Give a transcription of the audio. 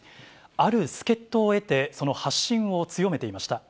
ある助っ人を得て、その発信を強めていました。